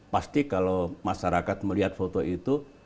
pasti kalau masyarakat melihat foto itu